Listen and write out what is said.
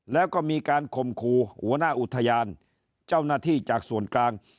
แล้วก็มีการคมครูหัวหน้าอุทยานเจ้าหน้าที่จากส่วนกลาง